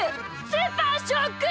スーパーショック！